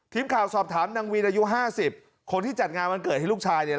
ทีมข่าวสอบถามนางวินอายุ๕๐คนที่จัดงานวันเกิดให้ลูกชาย